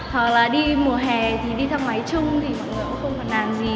hoặc là đi mùa hè thì đi thang máy chung thì mọi người cũng không còn làm gì